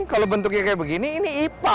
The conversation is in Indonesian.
kalau bentuknya kayak begini ini ipa